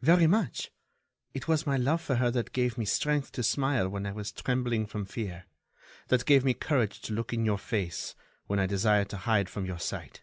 "Very much. It was my love for her that gave me strength to smile when I was trembling from fear, that gave me courage to look in your face when I desired to hide from your sight."